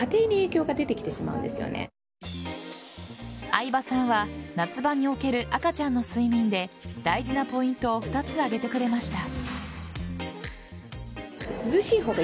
愛波さんは夏場における赤ちゃんの睡眠で大事なポイントを２つ挙げてくれました。